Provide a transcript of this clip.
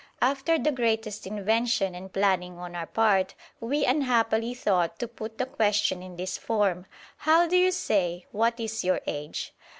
After the greatest invention and planning on our part, we unhappily thought to put the question in this form: 'How do you say "What is your age?"'